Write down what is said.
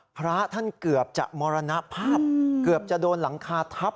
พระท่านเกือบจะมรณภาพเกือบจะโดนหลังคาทับ